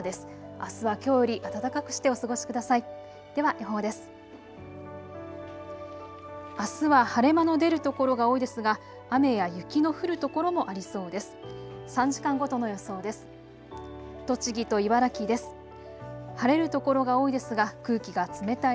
あすはきょうより暖かくしてお過ごしください。